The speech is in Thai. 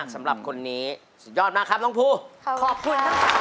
ขอบคุณทั้งสองเป็นมากค่ะ